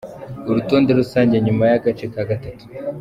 Urutonde rusange nyuma y’agace ka gatatu